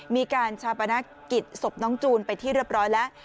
มีการชาปนกิจศพน้องจูนไปที่เรียบร้อยแล้ว